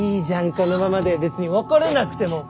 このままで別に別れなくても。